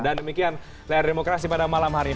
dan demikian layar demokrasi pada malam hari ini